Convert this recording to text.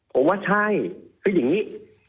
ผมว่าใช่คืออย่างนี้